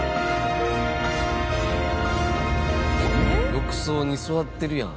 浴槽に座ってるやん。